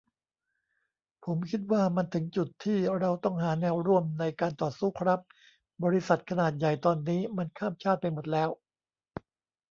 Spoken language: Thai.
ผมคิดว่ามันถึงจุดที่ เราต้องหาแนวร่วมในการต่อสู้ครับ บริษัทขนาดใหญ่ตอนนี้มันข้ามชาติไปหมดแล้ว